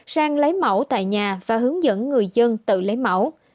sang lấy mẫu tại nhà và hướng dẫn người dân tự lấy mẫu